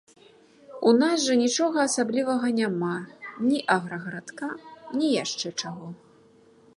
У нас жа нічога асаблівага няма, ні аграгарадка, ні яшчэ чаго.